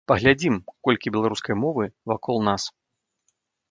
Паглядзім, колькі беларускай мовы вакол нас!